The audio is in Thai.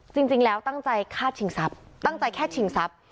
จริงแล้วตั้งใจฆ่าฉิงซับ